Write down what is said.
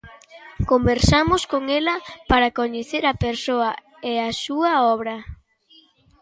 Conversamos con ela para coñecer a persoa e a súa obra.